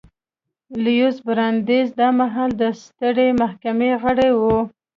لویس براندیز دا مهال د سترې محکمې غړی و.